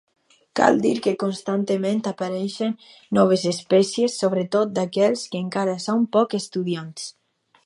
Cal dir que constantment apareixen noves espècies, sobretot d'aquells que encara són poc estudiats.